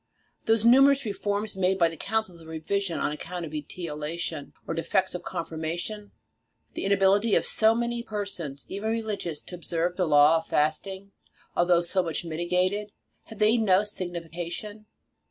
Those numerous reforms, made by the councils of revision on account of etiolation or defects of conformation ; the inability of so many persons, even religious, to observe the law of fasting, although so much miti gated, have they no signification